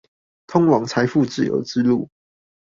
通往財富自由之路